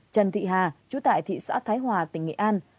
trần thị hà chú tại thị xã thái hòa tỉnh nghệ an